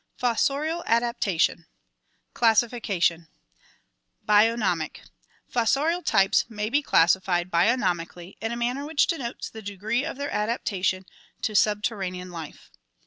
FOSSORIAL ADAPTATION Classification Bionomic. — Fossorial types may be classified bionomically in a manner which denotes the degree of their adaptation to subter ranean life.